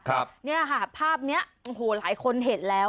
ครับเนี่ยค่ะภาพเนี้ยโอ้โหหลายคนเห็นแล้ว